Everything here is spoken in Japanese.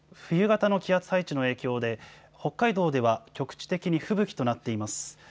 冬型の気圧配置の影響で、北海道では局地的に吹雪となっています。